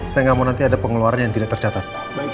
saya nggak mau nanti ada pengeluaran yang tidak tercatat